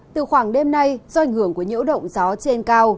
từ khoảng đêm nay do ảnh hưởng của nhiễu động gió trên cao